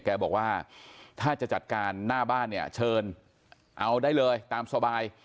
แกบอกว่าถ้าจะจัดการหน้าบ้านเนี่ยเชิญเอาได้เลยตามสบาย